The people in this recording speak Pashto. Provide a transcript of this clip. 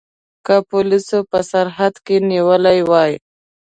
که پولیسو په سرحد کې نیولي وای.